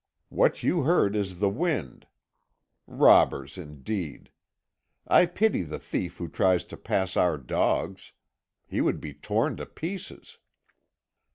What you heard is the wind. Robbers, indeed! I pity the thief who tries to pass our dogs; he would be torn to pieces.